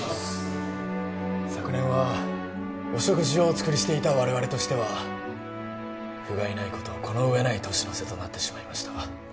昨年はお食事をお作りしていた我々としてはふがいないことこの上ない年の瀬となってしまいました